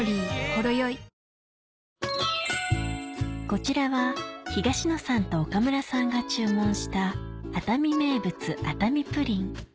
こちらは東野さんと岡村さんが注文した熱海名物熱海プリン